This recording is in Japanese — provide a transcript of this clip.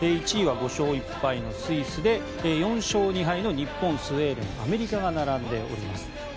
１位は５勝１敗のスイスで４勝２敗の日本、スウェーデンアメリカが並んでおります。